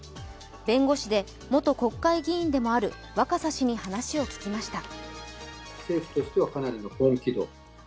弁護士で元国会議員でもある若狭氏に話を聞きました。